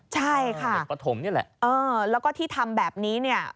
ใช่ค่ะแล้วก็ที่ทำแบบนี้